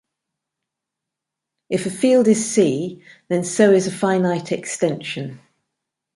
If a field is C then so is a finite extension.